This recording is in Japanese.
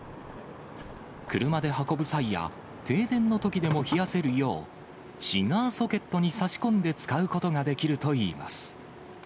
車で運ぶ際や、停電のときでも冷やせるよう、シガーソケットに差し込んで使うことができるといいます。